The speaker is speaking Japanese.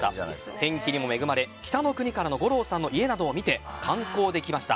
天気にも恵まれ「北の国から」の五郎さんの家などを見て観光できました。